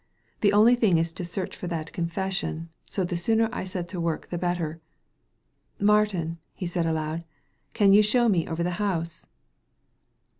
The only thing is to search for that confession, so the sooner I set to work the better. — Martin/' he said» aloud, " can you show me over the house